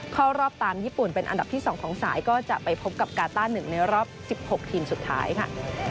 เข้ารอบตามญี่ปุ่นเป็นอันดับที่๒ของสายก็จะไปพบกับกาต้า๑ในรอบ๑๖ทีมสุดท้ายค่ะ